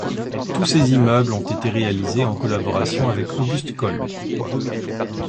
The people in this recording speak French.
Tous ces immeubles ont été réalisés en collaboration avec August Cols.